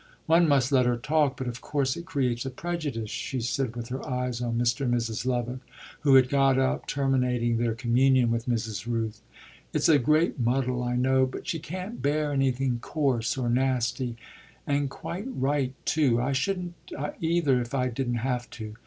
"One must let her talk, but of course it creates a prejudice," she said with her eyes on Mr. and Mrs. Lovick, who had got up, terminating their communion with Mrs. Rooth. "It's a great muddle, I know, but she can't bear anything coarse or nasty and quite right too. I shouldn't either if I didn't have to.